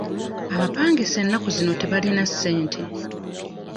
Abapangisa ennaku zino tebalina ssente.